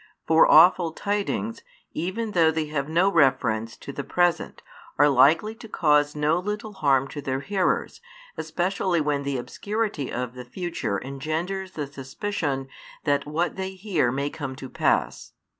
For awful tidings, even though they have no reference to the present, are likely to cause no little alarm to their hearers, especially when the obscurity of the future engenders the suspicion that what they hear may come to pass.